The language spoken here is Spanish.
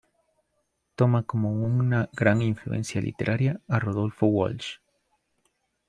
Toma como una gran influencia literaria a Rodolfo Walsh.